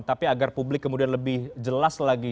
tapi agar publik kemudian lebih jelas lagi